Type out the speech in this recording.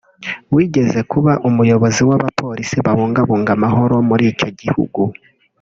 wigeze kuba umuyobozi w’abapolisi babungabunga amahoro muri icyo gihugu